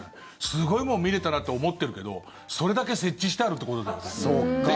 すごいもん見れたなって思ってるけどそれだけ設置してあるってことだよね。